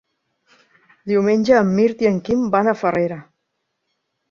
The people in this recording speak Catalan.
Diumenge en Mirt i en Quim van a Farrera.